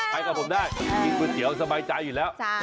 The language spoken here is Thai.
ไปกับผมได้กินก๋วยเตี๋ยวสบายใจอยู่แล้ว